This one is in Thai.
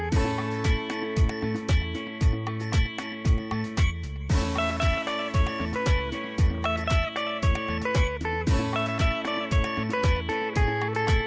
ถามคุณผู้ชมที่คุยกับวิธีกรรมและครองจ้างและที่แผ่นครั้งเดียว